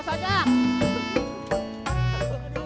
gua taki peng falar